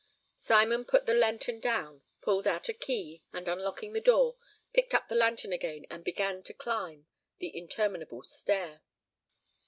Simon put the lantern down, pulled out a key, and, unlocking the door, picked up the lantern again and began to climb the interminable stair.